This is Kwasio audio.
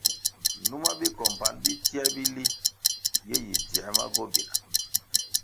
Numa bicompanʼ bitsiē bili ye yi dziē ma gobina.